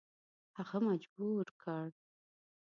هغه مجبور کړ.